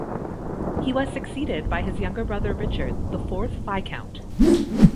He was succeeded by his younger brother, Richard, the fourth Viscount.